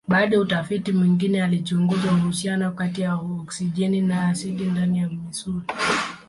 Baadhi ya utafiti mwingine alichunguza uhusiano kati ya oksijeni na asidi ndani ya misuli.